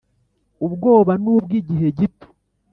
ubwoba ni ubw'igihe gito..